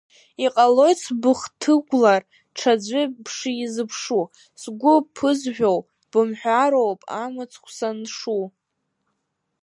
Иҟалоит сбыхҭыгәлар ҽаӡәы бшизыԥшу, сгәы ԥызжәоу бымҳәароуп амыцхә саншу!